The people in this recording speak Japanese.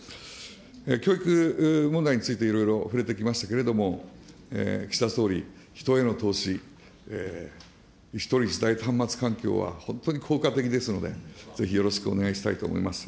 教育問題についていろいろ触れてきましたけれども、岸田総理、人への投資、１人１台端末環境は、本当に効果的ですので、ぜひよろしくお願いしたいと思います。